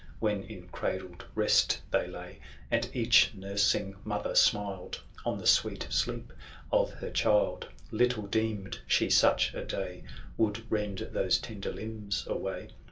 When in cradled rest they lay, And each nursing mother smiled On the sweet sleep of her child, iOOO Little deemed she such a day Would rend those tender limbs away.